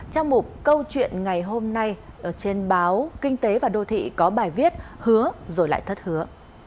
trong một câu chuyện ngày hôm nay trên báo kinh tế và đô thị có bài viết hứa rồi lại thất hứa